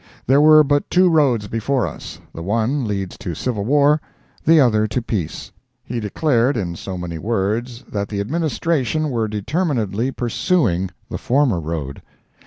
There were but two roads before us; the one leads to civil war, the other to peace. He declared in so many words that the Administration were determinedly pursuing the former road.